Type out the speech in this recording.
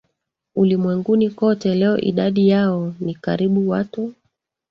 ulimwenguni kote Leo idadi yao ni karibu watu